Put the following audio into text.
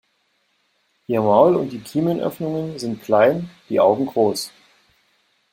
Ihr Maul und die Kiemenöffnungen sind klein, die Augen groß.